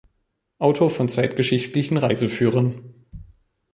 Autor von zeitgeschichtlichen Reiseführern.